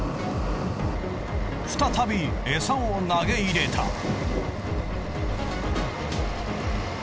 再びエサを投げ入れた。